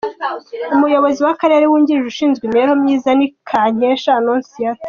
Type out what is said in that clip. Umuyobozi w’Akarere wungirije ushinzwe imibereho myiza ni Kankesha Annonciata.